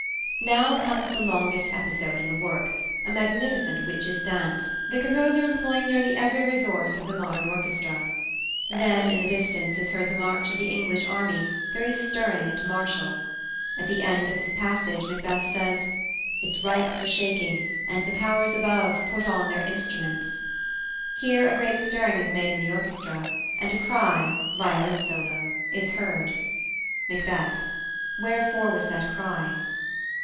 Now comes the longest episode in the work, a magnificent Witches' dance, the composer employing nearly every resource of the modern orchestra. Then, in the distance, is heard the march of the English army, very stirring and martial. At the end of this passage, Macbeth says: "It's ripe for shaking, and the powers above Put on their instruments." Here a great stirring is made in the orchestra, and a cry (violin solo) is heard: Macbeth: Wherefore was that cry?